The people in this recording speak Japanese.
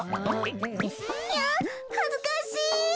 いやはずかしい。